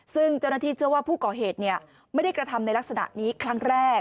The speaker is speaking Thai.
ซึ่งเจ้าหน้าที่เชื่อว่าผู้ก่อเหตุไม่ได้กระทำในลักษณะนี้ครั้งแรก